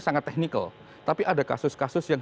sangat technical tapi ada kasus kasus yang